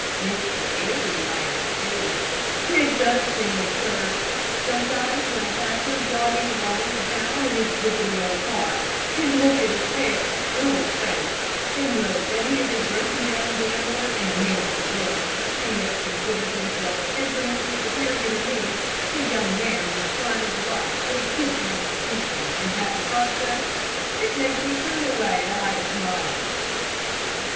Mr. Harry laughed, too. "It does seem absurd. Sometimes when I pass him jogging along to town in his rickety old cart, and look at his pale, cruel face, and know that he is a broken down gambler and man of the world, and yet considers himself infinitely superior to me a young man in the prime of life, with a good constitution and happy prospects, it makes me turn away to hide a smile."